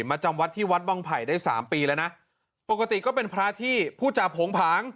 มาจำวัดที่วัดวังไผ่ได้สามปีแล้วนะปกติก็เป็นพระที่ผู้จาโผงผาง